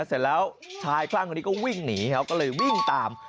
เสร็จแล้วชายคลั่งคนนี้ก็วิ่งหนีเขาก็เลยวิ่งตาม